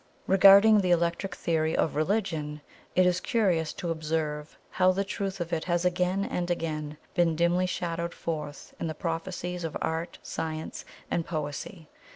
"Regarding the Electric Theory of Religion, it is curious to observe how the truth of it has again and again been dimly shadowed forth in the prophecies of Art, Science, and Poesy.